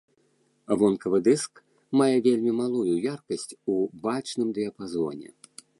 Вонкавы дыск мае вельмі малую яркасць у бачным дыяпазоне.